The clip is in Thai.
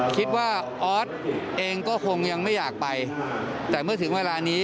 ออสเองก็คงยังไม่อยากไปแต่เมื่อถึงเวลานี้